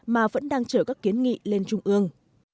mà vẫn đang chở các kiến nghị lên trung ương